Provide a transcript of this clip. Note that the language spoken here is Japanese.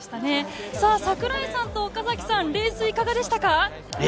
櫻井さんと岡崎さん、レースいかがでしたか？